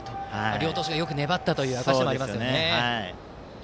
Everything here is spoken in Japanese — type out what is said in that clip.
両投手がよく粘った証しでもあります。